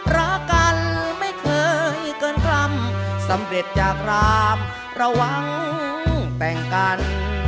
รักกันไม่เคยเกินรำสำเร็จจากรามระวังแต่งกัน